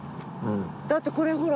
だってこれほら。